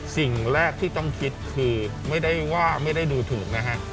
สิ่งแรกที่ต้องคิดคือไม่ได้ว่าไม่ได้ดูถูกนะฮะ